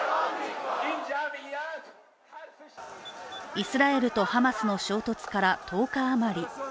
イスラエルとハマスの衝突から１０日あまり。